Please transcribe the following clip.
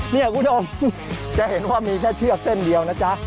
นี่คุณผู้ชมจะเห็นว่ามีแค่เชือกเส้นเดียวนะจ๊ะ